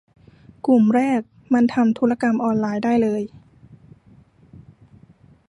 กลุ่มแรกมันทำธุรกรรมอออไลน์ได้เลย